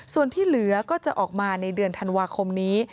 ส่วนที่เหลือก็จะออกมาในเดือนธันวาคมนี้